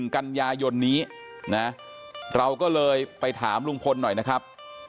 กันยายนนี้นะเราก็เลยไปถามลุงพลหน่อยนะครับ